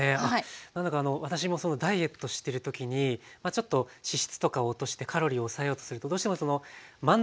何だか私もダイエットしてる時にちょっと脂質とか落としてカロリーを抑えようとするとどうしても満足感がちょっと足りなくなるじゃないですか。